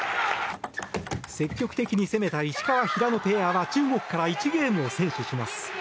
積極的に攻めた石川・平野ペアは中国から１ゲームを先取します。